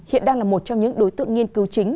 hiện đang là một trong những đối tượng nghiên cứu chính